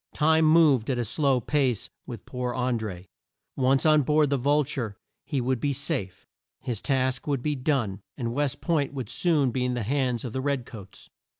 Time moved at a slow pace with poor An dré. Once on board the Vul ture he would be safe; his task would be done, and West Point would soon be in the hands of the red coats.